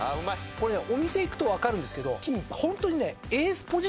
これねお店行くと分かるんですけどホントにね。